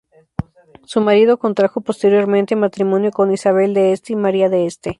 Su marido contrajo posteriormente matrimonio con Isabel de Este y María de Este.